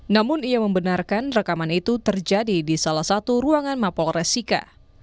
namun ia membenarkan rekaman itu terjadi di salah satu ruangan mapol resika